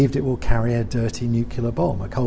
dan dipercaya akan membawa bom nuklir yang berat